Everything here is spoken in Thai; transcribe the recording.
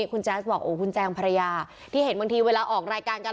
คุณแจ๊สบอกโอ้คุณแจงภรรยาที่เห็นบางทีเวลาออกรายการกัน